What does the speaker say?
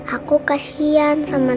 aku kesian sama tete froidan